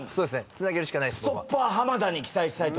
つなげるしかないです僕は。